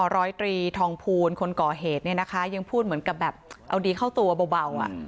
ร้อยตรีทองภูลคนก่อเหตุเนี่ยนะคะยังพูดเหมือนกับแบบเอาดีเข้าตัวเบาอ่ะ